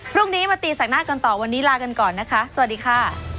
พรุ่งนี้มาตีแสกหน้ากันต่อวันนี้ลากันก่อนนะคะสวัสดีค่ะ